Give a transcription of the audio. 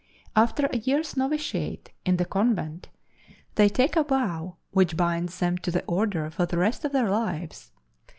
After a year's novitiate in the convent, they take a vow which binds them to the order for the rest of their lives.